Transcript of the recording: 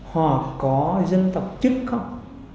họ có dân tộc chức không